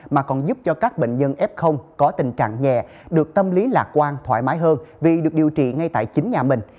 mà còn giúp cho các bệnh nhân f có tình trạng nhẹ được tâm lý lạc quan thoải mái hơn vì được điều trị ngay tại chính nhà mình